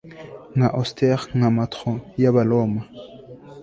Nka austere nka matron yAbaroma